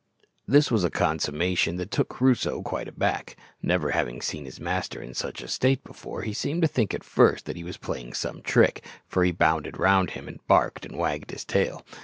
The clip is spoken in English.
This was a consummation that took Crusoe quite aback. Never having seen his master in such a state before he seemed to think at first that he was playing some trick, for he bounded round him, and barked, and wagged his tail.